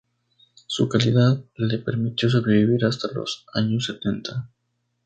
Su calidad le permitió sobrevivir hasta los años setenta.